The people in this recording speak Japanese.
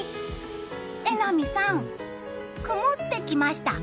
榎並さん、曇ってきました。